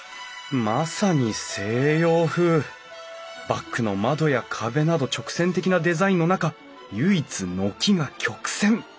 バックの窓や壁など直線的なデザインの中唯一軒が曲線。